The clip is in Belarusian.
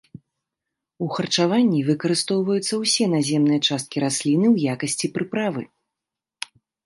У харчаванні выкарыстоўваюцца ўсе наземныя часткі расліны ў якасці прыправы.